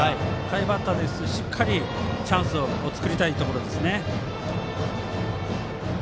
下位バッターですし、しっかりチャンスを作りたいところです。